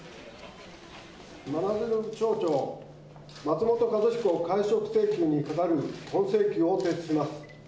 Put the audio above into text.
真鶴町長、松本一彦解職請求にかかる本請求を提出します。